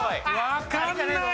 わかんない！